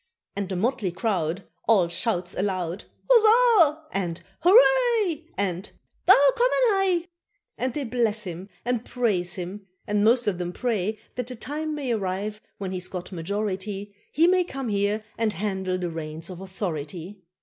And the motley crowd All shouts aloud, "Huzzah" and "hooray," And "Daar komaan hy." And they bless him, and praise him, and most of them pray That the time may arrive, when he's got to majority, He may come here and handle the reins of authority.